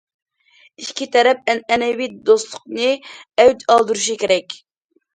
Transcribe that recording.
ئىككى تەرەپ ئەنئەنىۋى دوستلۇقنى ئەۋج ئالدۇرۇشى كېرەك.